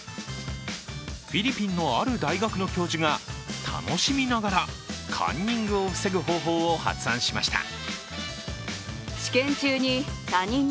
フィリピンのある大学の教授が楽しみながらカンニングを防ぐ方法を発案しました。